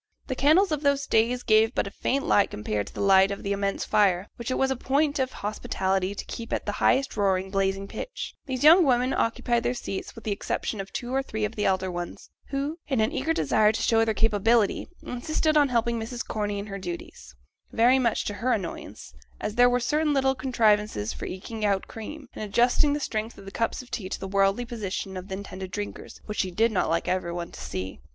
The candles of those days gave but a faint light compared to the light of the immense fire, which it was a point of hospitality to keep at the highest roaring, blazing pitch; the young women occupied the seats, with the exception of two or three of the elder ones, who, in an eager desire to show their capability, insisted on helping Mrs. Corney in her duties, very much to her annoyance, as there were certain little contrivances for eking out cream, and adjusting the strength of the cups of tea to the worldly position of the intended drinkers, which she did not like every one to see.